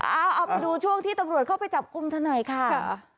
อ้าวเอาไปดูช่วงที่ตำรวจเข้าไปจับกุมเท่านั้นหน่อยค่ะค่ะ